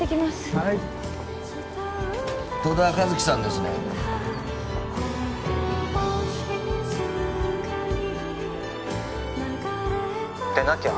はい戸田一希さんですねでなきゃ